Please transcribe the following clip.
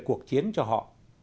cuộc chiến cho họ